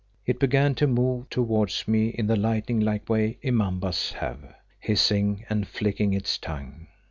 It began to move towards me in the lightning like way immambas have, hissing and flicking its tongue.